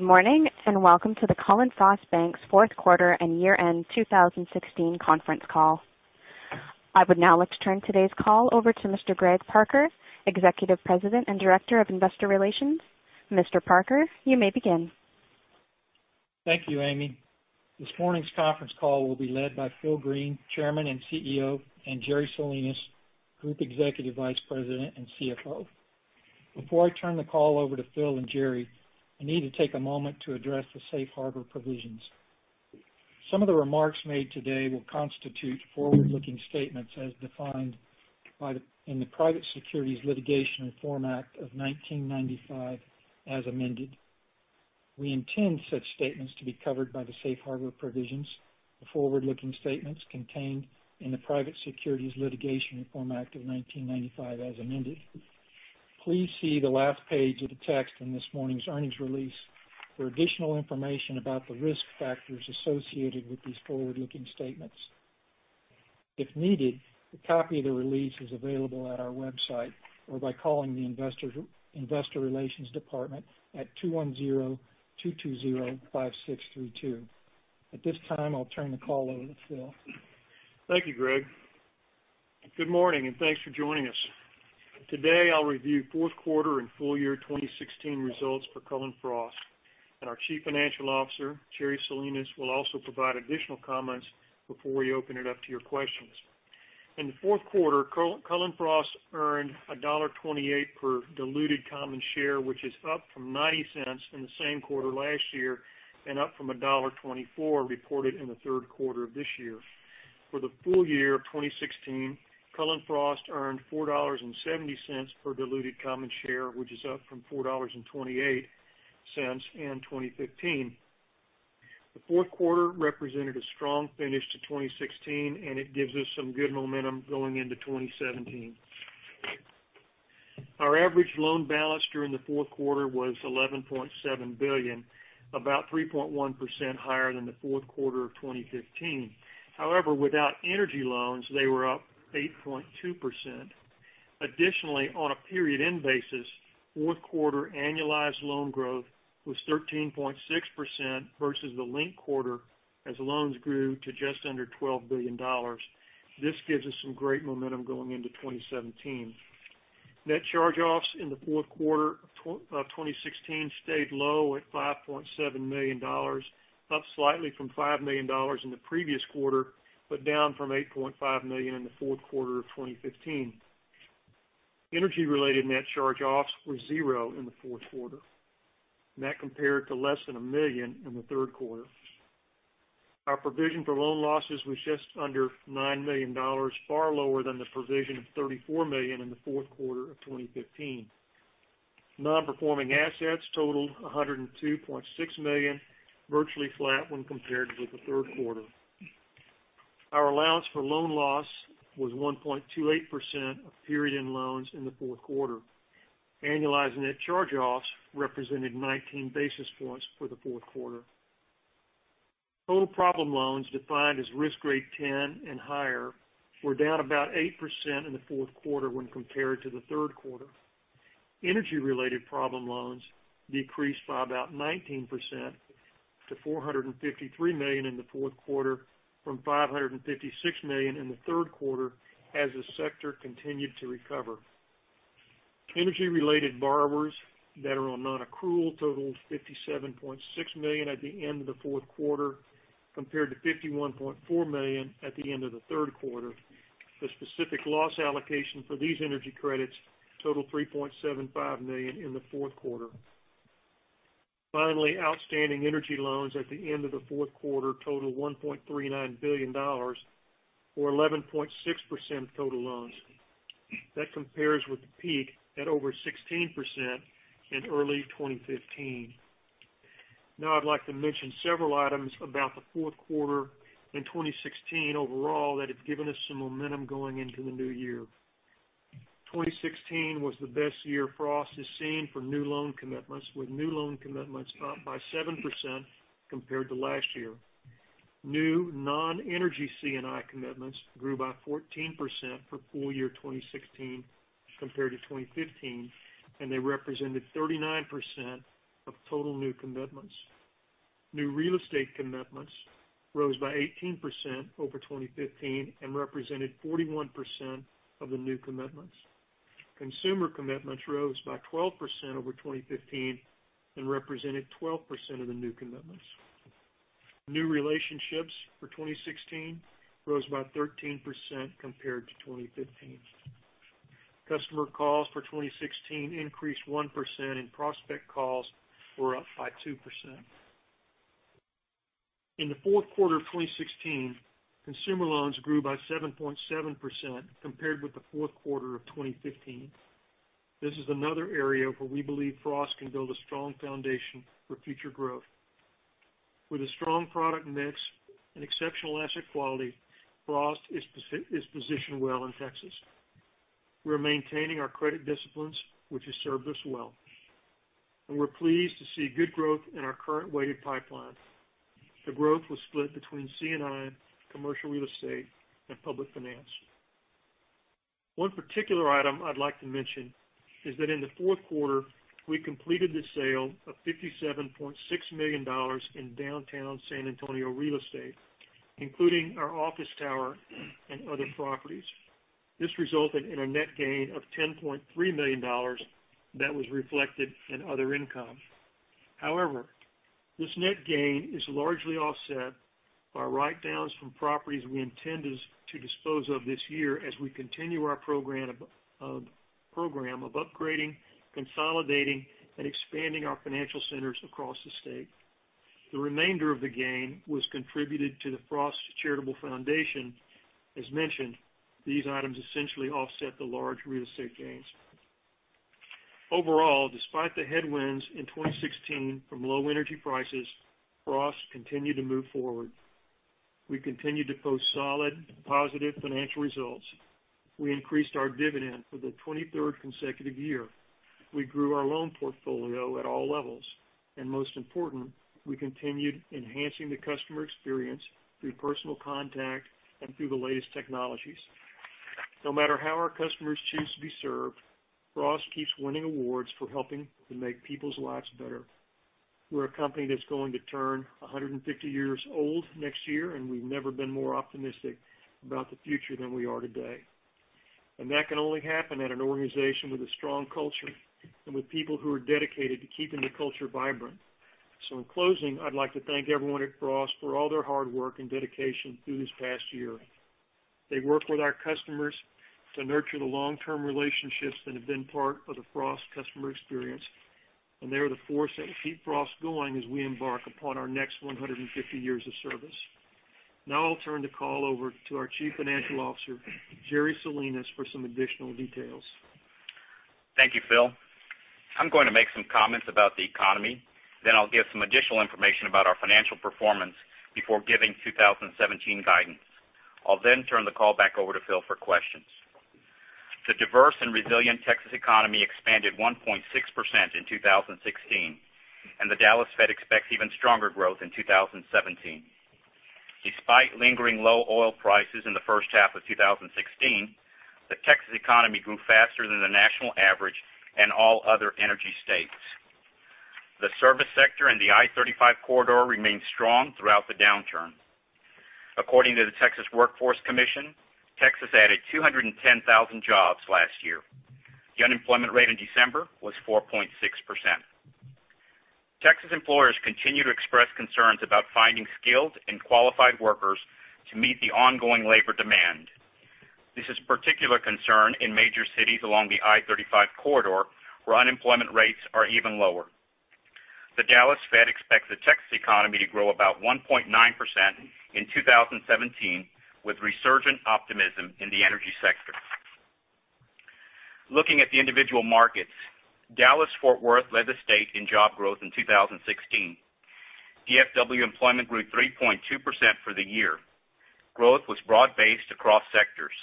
Good morning, and welcome to the Cullen/Frost Bankers fourth quarter and year-end 2016 conference call. I would now like to turn today's call over to Mr. Greg Parker, Executive Vice President and Director of Investor Relations. Mr. Parker, you may begin. Thank you, Amy. This morning's conference call will be led by Phil Green, Chairman and CEO, and Jerry Salinas, Group Executive Vice President and CFO. Before I turn the call over to Phil and Jerry, I need to take a moment to address the safe harbor provisions. Some of the remarks made today will constitute forward-looking statements as defined in the Private Securities Litigation Reform Act of 1995, as amended. We intend such statements to be covered by the safe harbor provisions of forward-looking statements contained in the Private Securities Litigation Reform Act of 1995, as amended. Please see the last page of the text in this morning's earnings release for additional information about the risk factors associated with these forward-looking statements. If needed, a copy of the release is available at our website or by calling the investor relations department at 210-220-5632. At this time, I'll turn the call over to Phil. Thank you, Greg. Good morning, and thanks for joining us. Today, I'll review fourth quarter and full year 2016 results for Cullen/Frost, and our Chief Financial Officer, Jerry Salinas, will also provide additional comments before we open it up to your questions. In the fourth quarter, Cullen/Frost earned $1.28 per diluted common share, which is up from $0.90 in the same quarter last year and up from $1.24 reported in the third quarter of this year. For the full year of 2016, Cullen/Frost earned $4.70 per diluted common share, which is up from $4.28 in 2015. The fourth quarter represented a strong finish to 2016, and it gives us some good momentum going into 2017. Our average loan balance during the fourth quarter was $11.7 billion, about 3.1% higher than the fourth quarter of 2015. However, without energy loans, they were up 8.2%. Additionally, on a period end basis, fourth quarter annualized loan growth was 13.6% versus the linked quarter as loans grew to just under $12 billion. This gives us some great momentum going into 2017. Net charge-offs in the fourth quarter of 2016 stayed low at $5.7 million, up slightly from $5 million in the previous quarter, but down from $8.5 million in the fourth quarter of 2015. Energy-related net charge-offs were 0 in the fourth quarter. Net compared to less than $1 million in the third quarter. Our provision for loan losses was just under $9 million, far lower than the provision of $34 million in the fourth quarter of 2015. Non-performing assets totaled $102.6 million, virtually flat when compared with the third quarter. Our allowance for loan loss was 1.28% of period end loans in the fourth quarter. Annualized net charge-offs represented 19 basis points for the fourth quarter. Total problem loans defined as risk grade 10 and higher were down about 8% in the fourth quarter when compared to the third quarter. Energy-related problem loans decreased by about 19% to $453 million in the fourth quarter from $556 million in the third quarter as the sector continued to recover. Energy-related borrowers that are on non-accrual totaled $57.6 million at the end of the fourth quarter, compared to $51.4 million at the end of the third quarter. The specific loss allocation for these energy credits totaled $3.75 million in the fourth quarter. Finally, outstanding energy loans at the end of the fourth quarter totaled $1.39 billion, or 11.6% of total loans. That compares with the peak at over 16% in early 2015. Now I'd like to mention several items about the fourth quarter and 2016 overall that have given us some momentum going into the new year. 2016 was the best year Frost has seen for new loan commitments, with new loan commitments up by 7% compared to last year. New non-energy C&I commitments grew by 14% for full year 2016 compared to 2015, and they represented 39% of total new commitments. New real estate commitments rose by 18% over 2015 and represented 41% of the new commitments. Consumer commitments rose by 12% over 2015 and represented 12% of the new commitments. New relationships for 2016 rose by 13% compared to 2015. Customer calls for 2016 increased 1%, and prospect calls were up by 2%. In the fourth quarter of 2016, consumer loans grew by 7.7% compared with the fourth quarter of 2015. This is another area where we believe Frost can build a strong foundation for future growth. With a strong product mix and exceptional asset quality, Frost is positioned well in Texas. We're maintaining our credit disciplines, which has served us well, and we're pleased to see good growth in our current weighted pipeline. The growth was split between C&I, commercial real estate, and public finance. One particular item I'd like to mention is that in the fourth quarter, we completed the sale of $57.6 million in downtown San Antonio real estate, including our office tower and other properties. This resulted in a net gain of $10.3 million that was reflected in other income. However, this net gain is largely offset by write-downs from properties we intend to dispose of this year as we continue our program of upgrading, consolidating, and expanding our financial centers across the state. The remainder of the gain was contributed to the Frost Charitable Foundation. As mentioned, these items essentially offset the large real estate gains. Despite the headwinds in 2016 from low energy prices, Frost continued to move forward. We continued to post solid, positive financial results. We increased our dividend for the 23rd consecutive year. We grew our loan portfolio at all levels, and most important, we continued enhancing the customer experience through personal contact and through the latest technologies. No matter how our customers choose to be served, Frost keeps winning awards for helping to make people's lives better. We're a company that's going to turn 150 years old next year, and we've never been more optimistic about the future than we are today. That can only happen at an organization with a strong culture and with people who are dedicated to keeping the culture vibrant. In closing, I'd like to thank everyone at Frost for all their hard work and dedication through this past year. They've worked with our customers to nurture the long-term relationships that have been part of the Frost customer experience, and they are the force that will keep Frost going as we embark upon our next 150 years of service. I'll turn the call over to our Chief Financial Officer, Jerry Salinas, for some additional details. Thank you, Phil. I'm going to make some comments about the economy, I'll give some additional information about our financial performance before giving 2017 guidance. I'll turn the call back over to Phil for questions. The diverse and resilient Texas economy expanded 1.6% in 2016, and the Dallas Fed expects even stronger growth in 2017. Despite lingering low oil prices in the first half of 2016, the Texas economy grew faster than the national average and all other energy states. The service sector and the I-35 corridor remained strong throughout the downturn. According to the Texas Workforce Commission, Texas added 210,000 jobs last year. The unemployment rate in December was 4.6%. Texas employers continue to express concerns about finding skilled and qualified workers to meet the ongoing labor demand. This is a particular concern in major cities along the I-35 corridor, where unemployment rates are even lower. The Dallas Fed expects the Texas economy to grow about 1.9% in 2017, with resurgent optimism in the energy sector. Looking at the individual markets, Dallas-Fort Worth led the state in job growth in 2016. DFW employment grew 3.2% for the year. Growth was broad-based across sectors.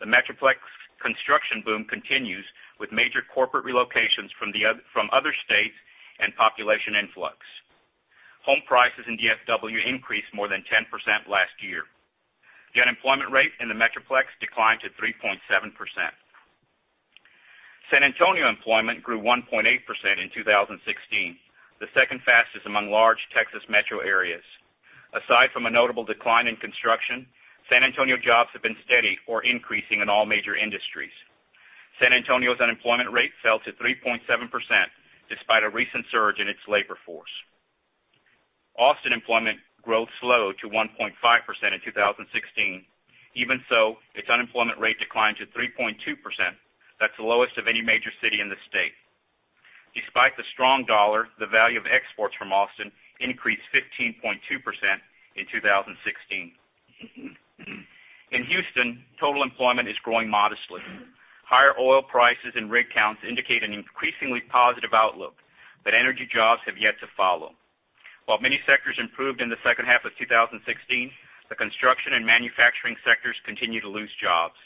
The Metroplex construction boom continues with major corporate relocations from other states and population influx. Home prices in DFW increased more than 10% last year. The unemployment rate in the Metroplex declined to 3.7%. San Antonio employment grew 1.8% in 2016, the second fastest among large Texas metro areas. Aside from a notable decline in construction, San Antonio jobs have been steady or increasing in all major industries. San Antonio's unemployment rate fell to 3.7%, despite a recent surge in its labor force. Austin employment growth slowed to 1.5% in 2016. Even so, its unemployment rate declined to 3.2%. That's the lowest of any major city in the state. Despite the strong dollar, the value of exports from Austin increased 15.2% in 2016. In Houston, total employment is growing modestly. Higher oil prices and rig counts indicate an increasingly positive outlook, but energy jobs have yet to follow. While many sectors improved in the second half of 2016, the construction and manufacturing sectors continue to lose jobs.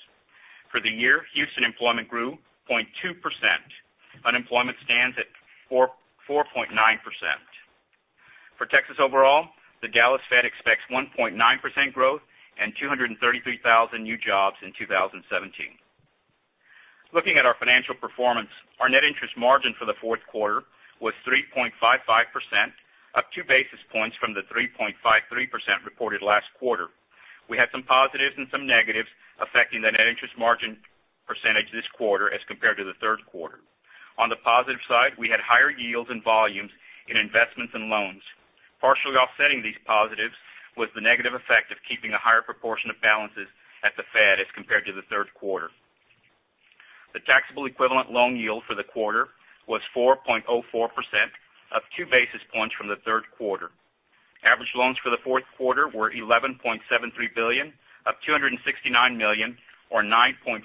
For the year, Houston employment grew 0.2%. Unemployment stands at 4.9%. For Texas overall, the Dallas Fed expects 1.9% growth and 233,000 new jobs in 2017. Looking at our financial performance, our net interest margin for the fourth quarter was 3.55%, up two basis points from the 3.53% reported last quarter. We had some positives and some negatives affecting the net interest margin percentage this quarter as compared to the third quarter. On the positive side, we had higher yields and volumes in investments and loans. Partially offsetting these positives was the negative effect of keeping a higher proportion of balances at the Fed as compared to the third quarter. The taxable equivalent loan yield for the quarter was 4.04%, up two basis points from the third quarter. Average loans for the fourth quarter were $11.73 billion, up $269 million, or 9.4%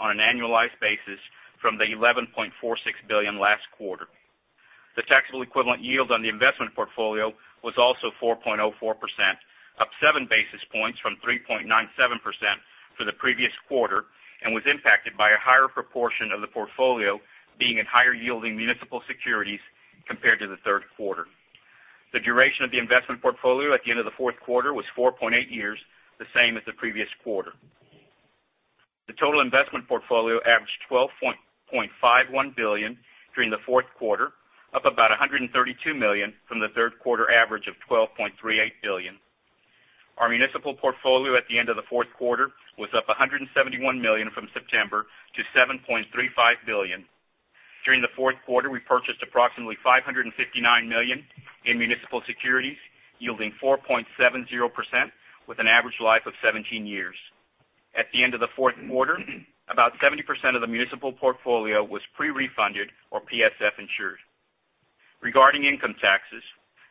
on an annualized basis from the $11.46 billion last quarter. The taxable equivalent yield on the investment portfolio was also 4.04%, up seven basis points from 3.97% for the previous quarter, and was impacted by a higher proportion of the portfolio being in higher yielding municipal securities compared to the third quarter. The duration of the investment portfolio at the end of the fourth quarter was 4.8 years, the same as the previous quarter. The total investment portfolio averaged $12.51 billion during the fourth quarter, up about $132 million from the third quarter average of $12.38 billion. Our municipal portfolio at the end of the fourth quarter was up $171 million from September to $7.35 billion. During the fourth quarter, we purchased approximately $559 million in municipal securities, yielding 4.70% with an average life of 17 years. At the end of the fourth quarter, about 70% of the municipal portfolio was pre-refunded or PSF insured. Regarding income taxes,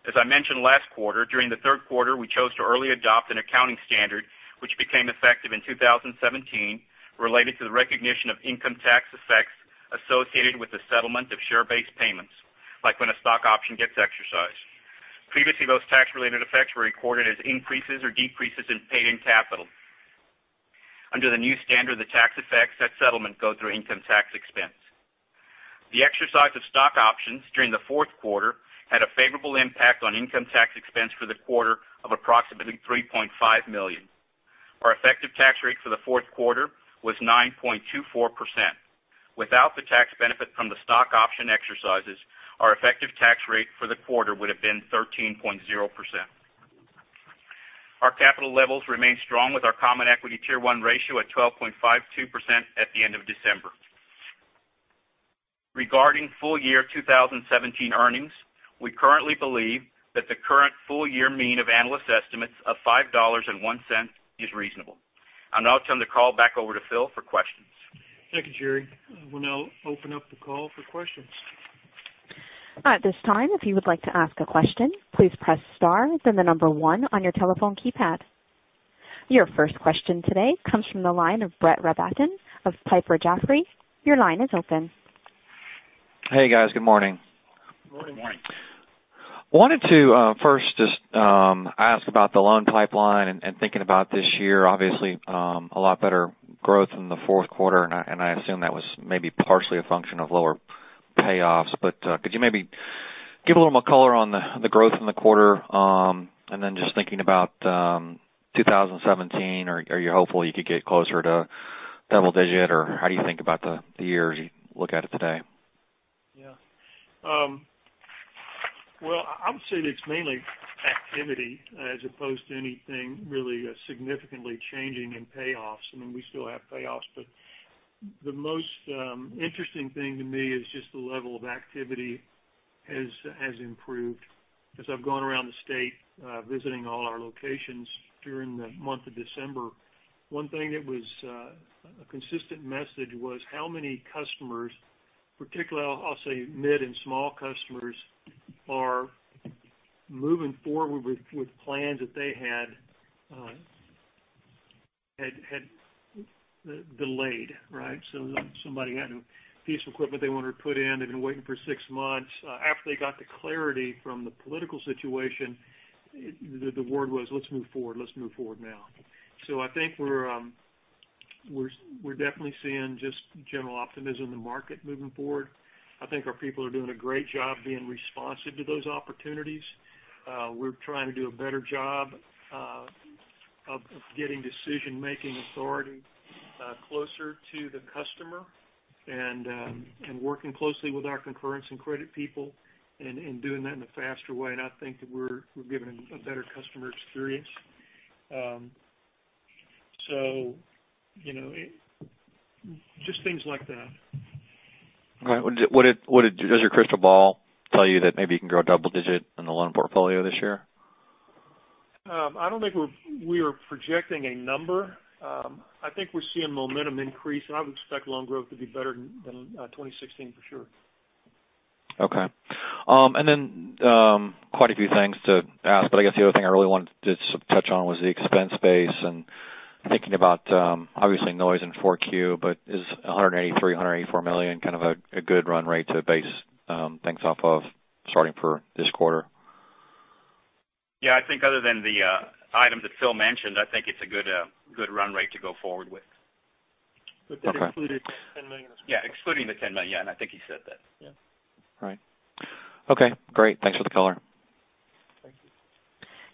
as I mentioned last quarter, during the third quarter, we chose to early adopt an accounting standard which became effective in 2017 related to the recognition of income tax effects associated with the settlement of share-based payments, like when a stock option gets exercised. Previously, those tax related effects were recorded as increases or decreases in paid-in capital. Under the new standard, the tax effects, that settlement go through income tax expense. The exercise of stock options during the fourth quarter had a favorable impact on income tax expense for the quarter of approximately $3.5 million. Our effective tax rate for the fourth quarter was 9.24%. Without the tax benefit from the stock option exercises, our effective tax rate for the quarter would've been 13.0%. Our capital levels remain strong with our Common Equity Tier 1 ratio at 12.52% at the end of December. Regarding full year 2017 earnings, we currently believe that the current full year mean of analyst estimates of $5.01 is reasonable. I'll now turn the call back over to Phil for questions. Thank you, Jerry. I will now open up the call for questions. At this time, if you would like to ask a question, please press star, then the number one on your telephone keypad. Your first question today comes from the line of Brett Rabatin of Piper Jaffray. Your line is open. Hey, guys. Good morning. Good morning. Morning. I wanted to, first just ask about the loan pipeline and thinking about this year, obviously, a lot better growth in the fourth quarter, and I assume that was maybe partially a function of lower payoffs. Could you maybe give a little more color on the growth in the quarter? Just thinking about 2017, are you hopeful you could get closer to double digit, or how do you think about the year as you look at it today? Yeah. Well, I would say it's mainly activity as opposed to anything really significantly changing in payoffs. I mean, we still have payoffs, but the most interesting thing to me is just the level of activity has improved. As I've gone around the state, visiting all our locations during the month of December, one thing that was a consistent message was how many customers, particularly I'll say mid and small customers, are moving forward with plans that they had delayed, right? Somebody had a piece of equipment they wanted to put in, they've been waiting for six months. After they got the clarity from the political situation, the word was, "Let's move forward, let's move forward now." I think we're definitely seeing just general optimism in the market moving forward. I think our people are doing a great job being responsive to those opportunities. We're trying to do a better job of getting decision-making authority closer to the customer, and working closely with our concurrence and credit people and doing that in a faster way, and I think that we're giving a better customer experience. Just things like that. Right. Does your crystal ball tell you that maybe you can grow double digit in the loan portfolio this year? I don't think we are projecting a number. I think we're seeing momentum increase. I would expect loan growth to be better than 2016 for sure. Okay. Quite a few things to ask. I guess the other thing I really wanted to touch on was the expense base. Thinking about, obviously noise in 4Q, is $183 million-$184 million kind of a good run rate to base things off of starting for this quarter? Yeah, I think other than the item that Phil mentioned, I think it's a good run rate to go forward with. Okay. That excluded the $10 million. Yeah, excluding the $10 million. I think he said that. Yeah. All right. Okay, great. Thanks for the color. Thank you.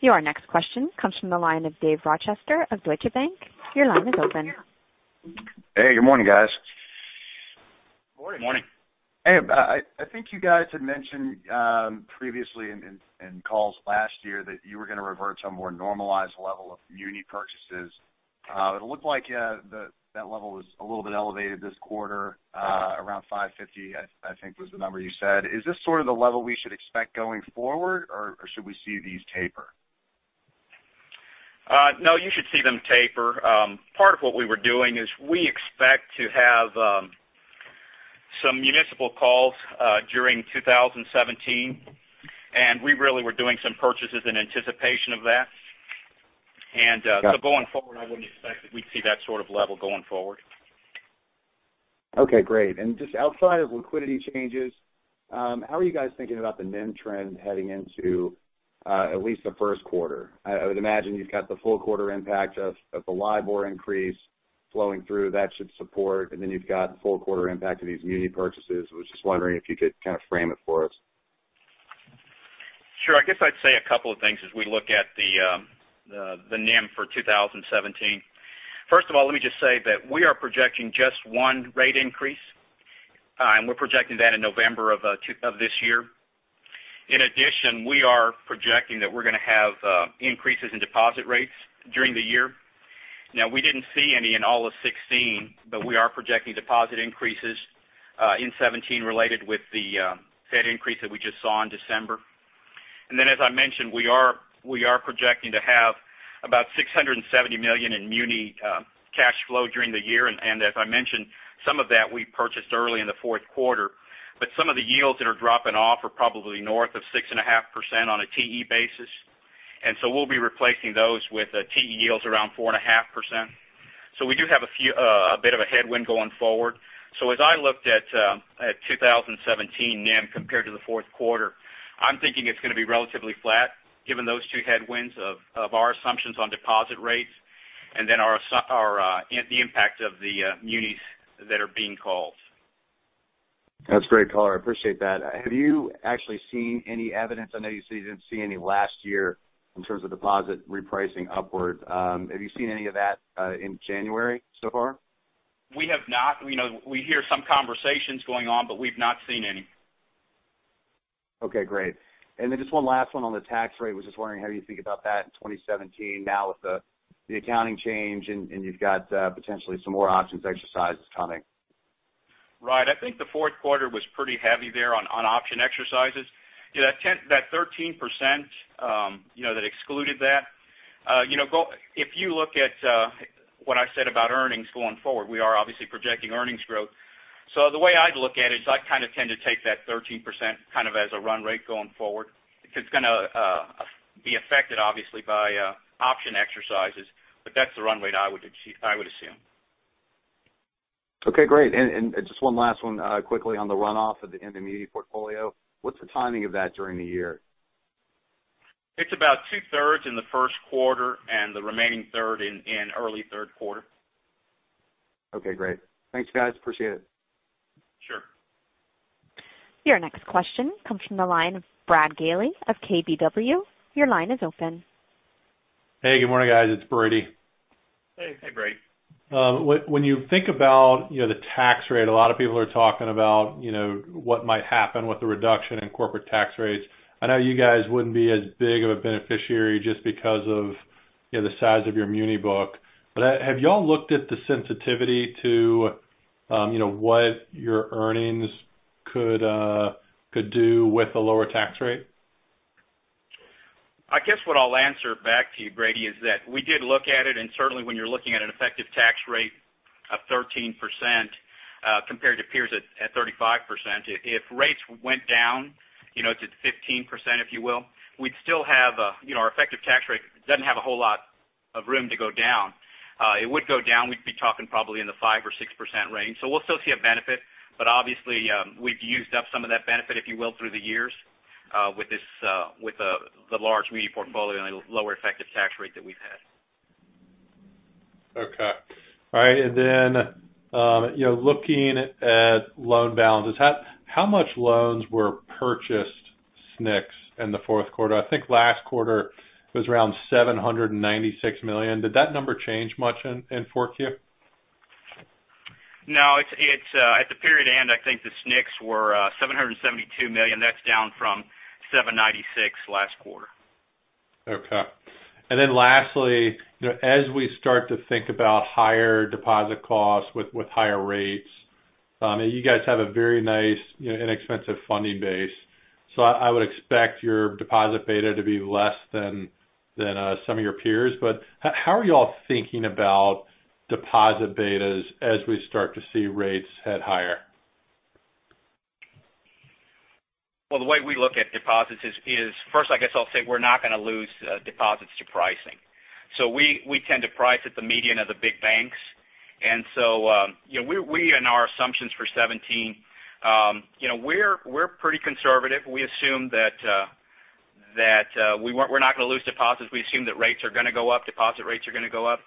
Your next question comes from the line of Dave Rochester of Deutsche Bank. Your line is open. Hey, good morning, guys. Morning. Morning. Hey, I think you guys had mentioned previously in calls last year that you were going to revert to a more normalized level of muni purchases. It looked like that level was a little bit elevated this quarter, around $550 I think was the number you said. Is this sort of the level we should expect going forward, or should we see these taper? No, you should see them taper. Part of what we were doing is we expect to have some municipal calls during 2017, and we really were doing some purchases in anticipation of that. Got it. Going forward, I wouldn't expect that we'd see that sort of level going forward. Okay, great. Just outside of liquidity changes, how are you guys thinking about the NIM trend heading into at least the first quarter? I would imagine you've got the full quarter impact of the LIBOR increase flowing through that should support, then you've got the full quarter impact of these muni purchases. Was just wondering if you could kind of frame it for us. Sure. I guess I'd say a couple of things as we look at the NIM for 2017. First of all, let me just say that we are projecting just one rate increase, and we're projecting that in November of this year. In addition, we are projecting that we're going to have increases in deposit rates during the year. Now, we didn't see any in all of 2016, but we are projecting deposit increases in 2017 related with the Fed increase that we just saw in December. As I mentioned, we are projecting to have about $670 million in muni cash flow during the year. As I mentioned, some of that we purchased early in the fourth quarter, but some of the yields that are dropping off are probably north of 6.5% on a TE basis. We'll be replacing those with TE yields around 4.5%. We do have a bit of a headwind going forward. As I looked at 2017 NIM compared to the fourth quarter, I'm thinking it's going to be relatively flat given those two headwinds of our assumptions on deposit rates and then the impact of the munis that are being called. That's great, Cullen. I appreciate that. Have you actually seen any evidence, I know you didn't see any last year in terms of deposit repricing upward, have you seen any of that in January so far? We have not. We hear some conversations going on, we've not seen any. Okay, great. Just one last one on the tax rate. Was just wondering how you think about that in 2017 now with the accounting change, you've got potentially some more options exercises coming. Right. I think the fourth quarter was pretty heavy there on option exercises. That 13% that excluded that. If you look at what I said about earnings going forward, we are obviously projecting earnings growth. The way I'd look at it is I kind of tend to take that 13% kind of as a run rate going forward because it's going to be affected, obviously, by option exercises. That's the run rate I would assume. Okay, great. Just one last one quickly on the runoff of the muni portfolio. What's the timing of that during the year? It's about two-thirds in the first quarter and the remaining third in early third quarter. Okay, great. Thanks, guys. Appreciate it. Sure. Your next question comes from the line of Brady Gailey of KBW. Your line is open. Hey, good morning, guys. It's Brady. Hey. Hey, Brady. When you think about the tax rate, a lot of people are talking about what might happen with the reduction in corporate tax rates. I know you guys wouldn't be as big of a beneficiary just because of the size of your muni book. Have you all looked at the sensitivity to what your earnings could do with a lower tax rate? I guess what I'll answer back to you, Brady, is that we did look at it. Certainly, when you're looking at an effective tax rate of 13% compared to peers at 35%, if rates went down to 15%, if you will, our effective tax rate doesn't have a whole lot of room to go down. It would go down. We'd be talking probably in the 5 or 6% range. We'll still see a benefit, but obviously, we've used up some of that benefit, if you will, through the years with the large muni portfolio and lower effective tax rate that we've had. Okay. All right. Looking at loan balances, how much loans were purchased SNCs in the fourth quarter? I think last quarter it was around $796 million. Did that number change much in 4Q? No. At the period end, I think the SNCs were $772 million. That's down from $796 last quarter. Okay. Lastly, as we start to think about higher deposit costs with higher rates, you guys have a very nice inexpensive funding base. I would expect your deposit beta to be less than some of your peers. How are you all thinking about deposit betas as we start to see rates head higher? Well, the way we look at deposits is first, I guess I'll say we're not going to lose deposits to pricing. We tend to price at the median of the big banks. We, in our assumptions for 2017, we're pretty conservative. We assume that we're not going to lose deposits. We assume that rates are going to go up, deposit rates are going to go up.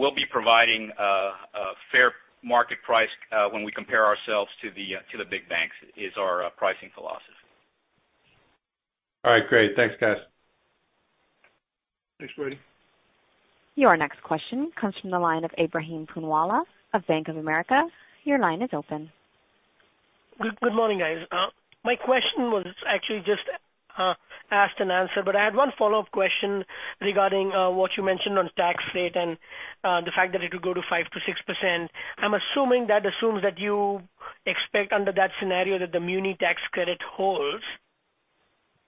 We'll be providing a fair market price when we compare ourselves to the big banks, is our pricing philosophy. All right, great. Thanks, guys. Thanks, Brady. Your next question comes from the line of Ebrahim Poonawala of Bank of America. Your line is open. Good morning, guys. My question was actually just asked and answered, but I had one follow-up question regarding what you mentioned on tax rate and the fact that it will go to 5%-6%. I'm assuming that assumes that you expect under that scenario that the muni tax credit holds.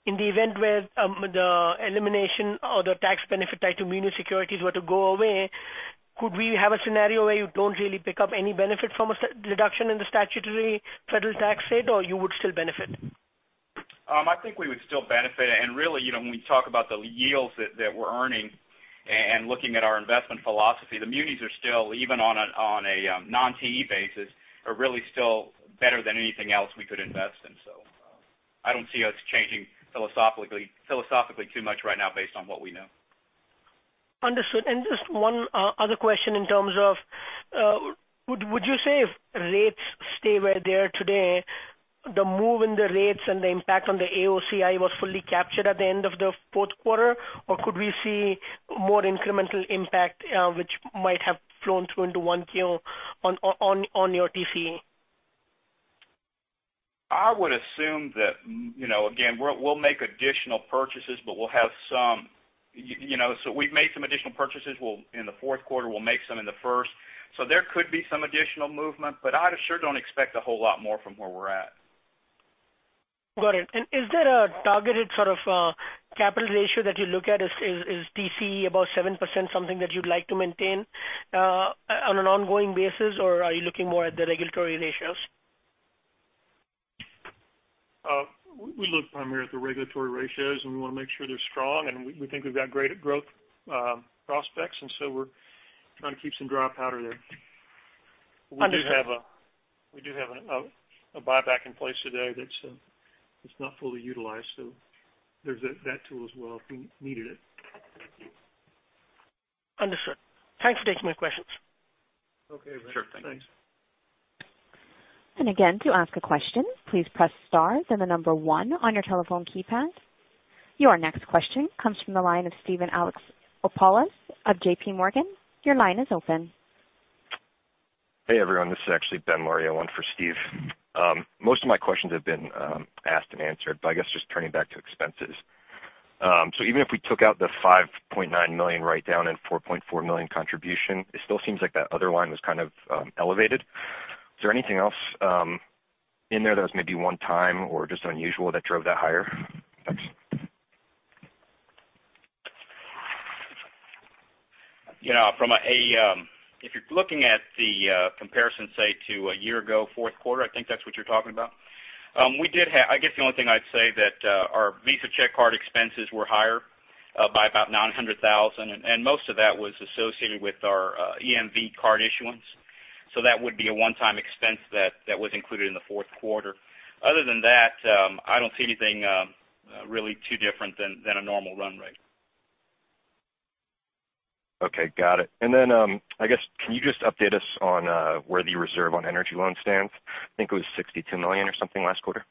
In the event where the elimination or the tax benefit tied to muni securities were to go away, could we have a scenario where you don't really pick up any benefit from a reduction in the statutory federal tax rate, or you would still benefit? I think we would still benefit. Really, when we talk about the yields that we're earning and looking at our investment philosophy, the munis are still, even on a non-TE basis, are really still better than anything else we could invest in, so I don't see us changing philosophically too much right now based on what we know. Understood. Just one other question in terms of, would you say if rates stay right there today, the move in the rates and the impact on the AOCI was fully captured at the end of the fourth quarter? Or could we see more incremental impact, which might have flown through into 1Q on your TCE? I would assume that, again, we'll make additional purchases, but we'll have some. We've made some additional purchases, in the fourth quarter. We'll make some in the first. There could be some additional movement, but I sure don't expect a whole lot more from where we're at. Got it. Is there a targeted sort of, capital ratio that you look at? Is TCE above 7% something that you'd like to maintain on an ongoing basis, or are you looking more at the regulatory ratios? We look primarily at the regulatory ratios, and we want to make sure they're strong, and we think we've got great growth prospects, and so we're trying to keep some dry powder there. Understood. We do have a buyback in place today that's not fully utilized, so there's that tool as well, if we needed it. Understood. Thanks for taking my questions. Okay. Sure thing. Thanks. To ask a question, please press star, then the number 1 on your telephone keypad. Your next question comes from the line of Steven Alexopoulos of JPMorgan. Your line is open. Hey, everyone. This is actually Ben Lario, one for Steve. Most of my questions have been asked and answered. I guess just turning back to expenses. Even if we took out the $5.9 million write-down and $4.4 million contribution, it still seems like that other line was kind of elevated. Is there anything else in there that was maybe one-time or just unusual that drove that higher? Thanks. If you're looking at the comparison, say, to a year ago, fourth quarter, I think that's what you're talking about. I guess the only thing I'd say that our Visa check card expenses were higher by about $900,000, and most of that was associated with our EMV card issuance. That would be a one-time expense that was included in the fourth quarter. Other than that, I don't see anything really too different than a normal run rate. Okay. Got it. Then, I guess, can you just update us on where the reserve on energy loans stands? I think it was $62 million or something last quarter.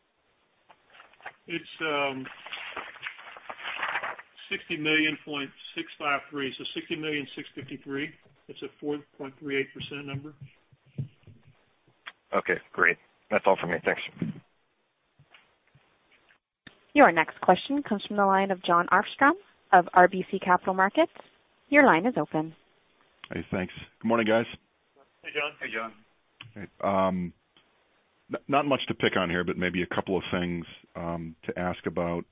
It's $60.653 million. $60.653 million. It's a 4.38% number. Okay, great. That's all for me. Thanks. Your next question comes from the line of Jon Arfstrom of RBC Capital Markets. Your line is open. Hey, thanks. Good morning, guys. Hey, John. Hey, John. Not much to pick on here, but maybe a couple of things to ask about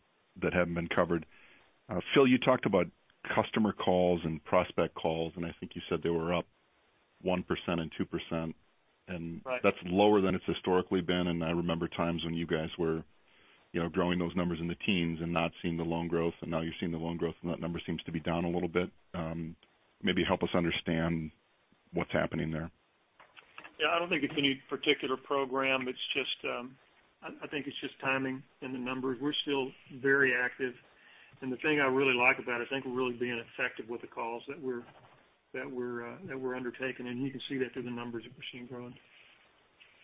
that haven't been covered. Phil, you talked about customer calls and prospect calls, and I think you said they were up 1% and 2%. Right. That's lower than it's historically been, and I remember times when you guys were growing those numbers in the teens and not seeing the loan growth, and now you're seeing the loan growth, and that number seems to be down a little bit. Maybe help us understand what's happening there. I don't think it's any particular program. I think it's just timing in the numbers. We're still very active, and the thing I really like about it, I think we're really being effective with the calls that we're undertaking, and you can see that through the numbers that we're seeing growing.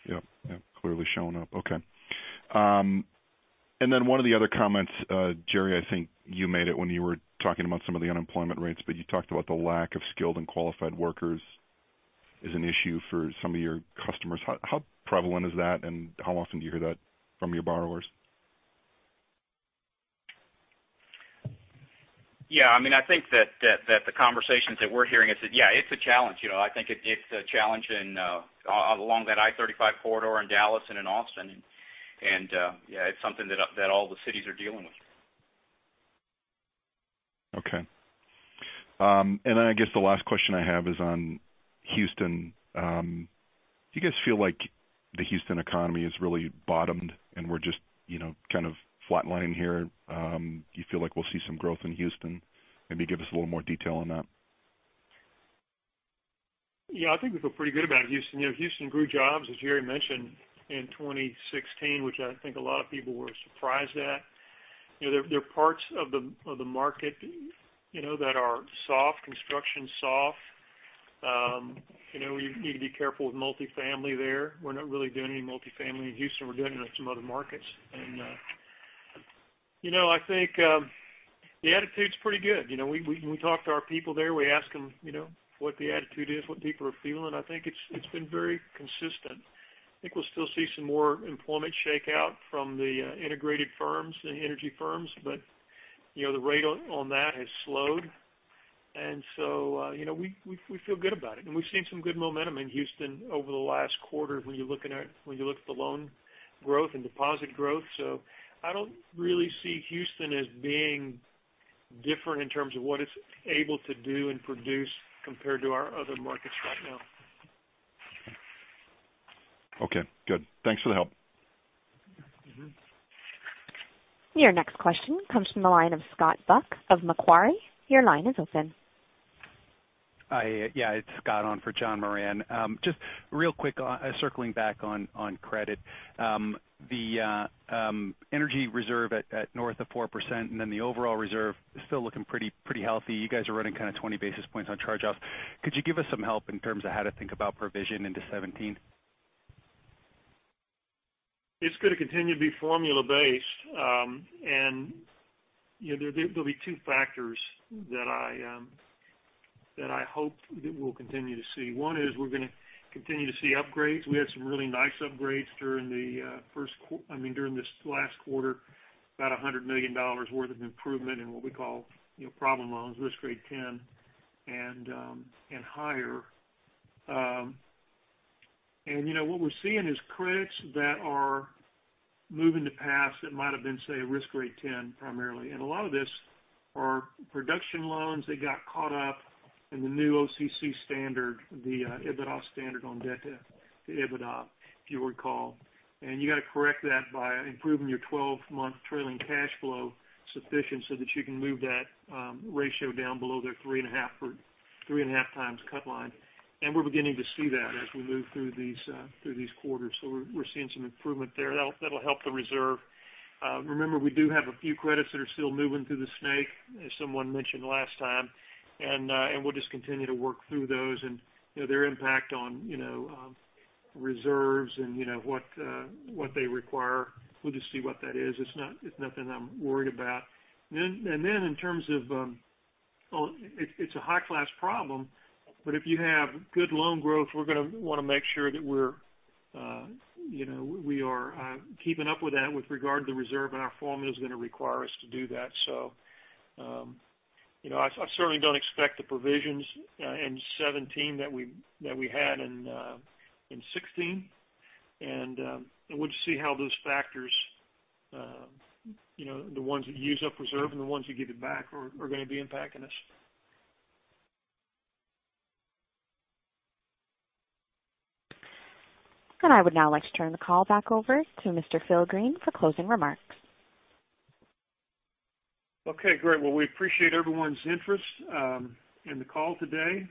Yep. Clearly showing up. Okay. One of the other comments, Jerry, I think you made it when you were talking about some of the unemployment rates, but you talked about the lack of skilled and qualified workers is an issue for some of your customers. How prevalent is that, and how often do you hear that from your borrowers? I think that the conversations that we're hearing is that, yeah, it's a challenge. I think it's a challenge along that I-35 corridor in Dallas and in Austin. Yeah, it's something that all the cities are dealing with. Okay. I guess the last question I have is on Houston. Do you guys feel like the Houston economy has really bottomed and we're just kind of flatlining here? Do you feel like we'll see some growth in Houston? Maybe give us a little more detail on that. Yeah. I think we feel pretty good about Houston. Houston grew jobs, as Jerry mentioned, in 2016, which I think a lot of people were surprised at. There are parts of the market that are soft, construction's soft. We need to be careful with multifamily there. We're not really doing any multifamily in Houston. We're doing it in some other markets. I think the attitude's pretty good. We talk to our people there. We ask them what the attitude is, what people are feeling. I think it's been very consistent. I think we'll still see some more employment shakeout from the integrated firms, the energy firms, but the rate on that has slowed. So we feel good about it. We've seen some good momentum in Houston over the last quarter when you look at the loan growth and deposit growth. I don't really see Houston as being different in terms of what it's able to do and produce compared to our other markets right now. Okay, good. Thanks for the help. Your next question comes from the line of Scott Buck of Macquarie. Your line is open. Yeah, it's Scott on for John Moran. Just real quick, circling back on credit. The energy reserve at north of 4%, the overall reserve is still looking pretty healthy. You guys are running kind of 20 basis points on charge-offs. Could you give us some help in terms of how to think about provision into 2017? It's going to continue to be formula-based. There'll be two factors that I hope that we'll continue to see. One is we're going to continue to see upgrades. We had some really nice upgrades during this last quarter, about $100 million worth of improvement in what we call problem loans, risk grade 10 and higher. What we're seeing is credits that are moving to paths that might've been, say, risk grade 10 primarily. A lot of this are production loans that got caught up in the new OCC standard, the EBITDA standard on debt to EBITDA, if you recall. You got to correct that by improving your 12-month trailing cash flow sufficient so that you can move that ratio down below their 3.5 times cut line. We're beginning to see that as we move through these quarters. We're seeing some improvement there. That'll help the reserve. Remember, we do have a few credits that are still moving through the snake, as someone mentioned last time, we'll just continue to work through those and their impact on reserves and what they require. We'll just see what that is. It's nothing I'm worried about. Then in terms of, it's a high-class problem, but if you have good loan growth, we're going to want to make sure that we are keeping up with that with regard to reserve, our formula is going to require us to do that. I certainly don't expect the provisions in 2017 that we had in 2016. We'll just see how those factors, the ones that use up reserve and the ones that give it back, are going to be impacting us. I would now like to turn the call back over to Mr. Phil Green for closing remarks. Okay, great. Well, we appreciate everyone's interest in the call today.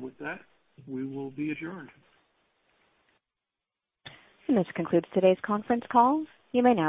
With that, we will be adjourned. This concludes today's conference call. You may now disconnect.